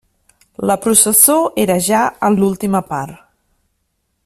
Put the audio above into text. La processó era ja en l'última part.